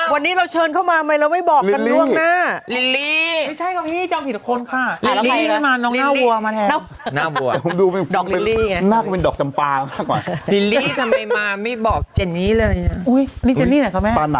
วันนี้เราเชิญเข้ามาไม่แล้วไม่บอกกันด้วยนะไม่ใช่ของนี่จะผิดคนค่ะ